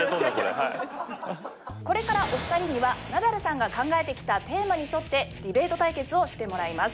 これから、お二人にはナダルさんが考えてきたテーマに沿ってディベート対決をしてもらいます。